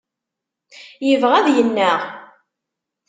Yebɣa ad yennaɣ.